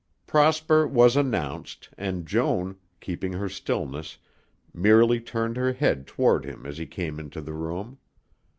'" Prosper was announced, and Joan, keeping her stillness, merely turned her head toward him as he came into the room.